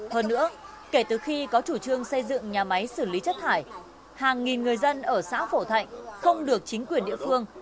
hơn nữa kể từ khi có chủ trương xây dựng nhà máy xử lý chất thải hàng nghìn người dân ở xã phổ thạnh không được chính quyền địa phương